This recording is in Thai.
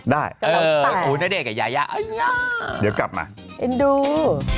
ได้ก็เราตายนาเดชน์กับยายายายาเดี๋ยวกลับมาดู